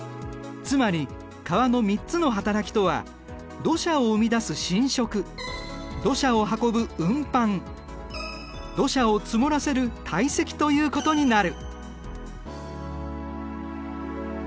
つまり川の３つのはたらきとは土砂を生み出す侵食土砂を運ぶ運搬土砂を積もらせる堆積ということになる。